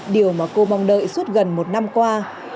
điều mà cô mong đợi suốt gần một năm qua